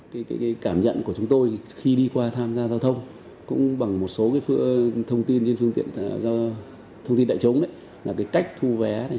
cái cảm nhận của chúng tôi khi đi qua tham gia giao thông cũng bằng một số thông tin trên phương tiện giao thông tin đại chống đấy